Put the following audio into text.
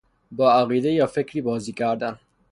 با عقیده یا فکری بازی کردن